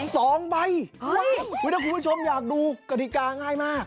สองใบคือถ้าคุณผู้ชมอยากดูกฎิกาง่ายมาก